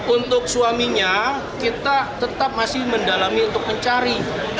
untuk suaminya kita tetap masih mendalami untuk mencari